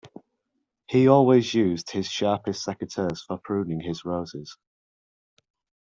He always used his sharpest secateurs for pruning his roses